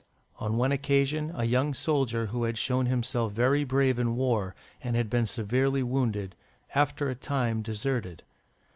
On one occasion, a young soldier who had shown himself very brave in war, and had been severely wounded, after a time deserted.